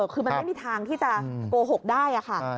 คือมันไม่มีทางที่จะโกหกได้ค่ะ